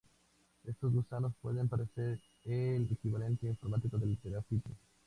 Estos gusanos pueden parecer el equivalente informático del grafiti.